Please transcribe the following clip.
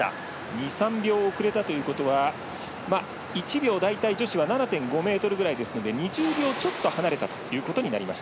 ２３秒遅れたということは１秒大体７．５ｍぐらいですので２０秒ちょっと離れたということになります。